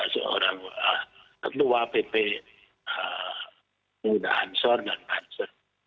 seorang ketua pt muda ansor dan ansor